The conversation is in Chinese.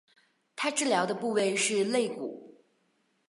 她治疗的部位是肋骨。